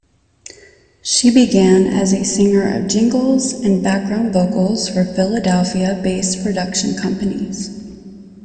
She began as a singer of jingles and background vocals for Philadelphia-based production companies.